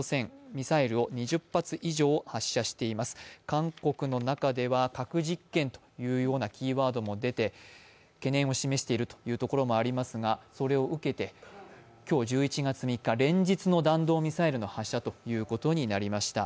韓国の中では核実験というようなキーワードも出て懸念を示しているところもありますが、それを受けて、今日１１月３日、連日の弾道ミサイルの発射ということになりました。